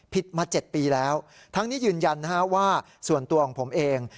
มา๗ปีแล้วทั้งนี้ยืนยันว่าส่วนตัวของผมเอง